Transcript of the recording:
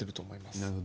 なるほど。